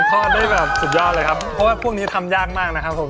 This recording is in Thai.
ทอดได้แบบสุดยอดเลยครับเพราะว่าพวกนี้ทำยากมากนะครับผม